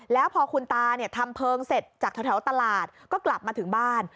แล้วพอคุณตาทำเพลิงเสร็จจากแถวตลาดก็กลับมาถึงบ้าน